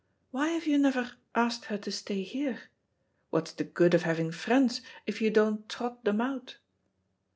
Why have you never asked her to stay here? What's the good of having friends if you don't trot them out?"